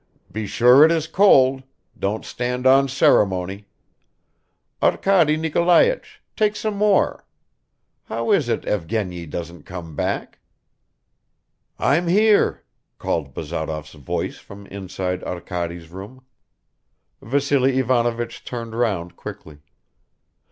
"Be sure it is cold! Don't stand on ceremony. Arkady Nikolaich take some more. How is it Evgeny doesn't come back?" "I'm here," called Bazarov's voice from inside Arkady's room. Vassily Ivanovich turned round quickly.